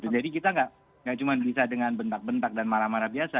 jadi kita nggak cuma bisa dengan bentak bentak dan marah marah biasa